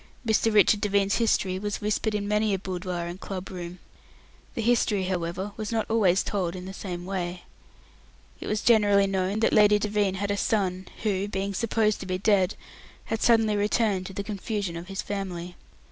Mr. Richard Devine's history was whispered in many a boudoir and club room. The history, however, was not always told in the same way. It was generally known that Lady Devine had a son, who, being supposed to be dead, had suddenly returned, to the confusion of his family.